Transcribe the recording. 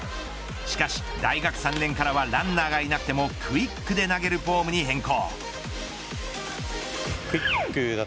しかし大学３年からはランナーがいなくてもクイックで投げるフォームに変更。